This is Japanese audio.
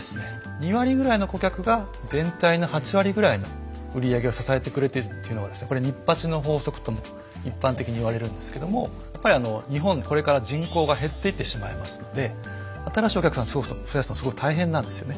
２割ぐらいの顧客が全体の８割ぐらいの売上を支えてくれているというのはこれニッパチの法則とも一般的に言われるんですけどもやっぱり日本これから人口が減っていってしまいますので新しいお客さんを増やすのはすごい大変なんですよね。